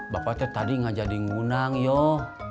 bapak teh tadi ngajari ngundang yuk